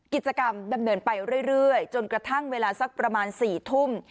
กิจกรรมดำเนินไปเรื่อยจนกระทั่งเวลาสักประมาณ๔ทุ่ม